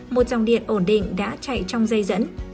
một dòng điện ổn định đã chạy trong dây dẫn